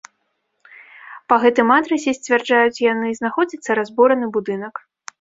Па гэтым адрасе, сцвярджаюць яны, знаходзіцца разбураны будынак.